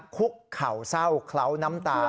คุกเข่าเศร้าเคล้าน้ำตา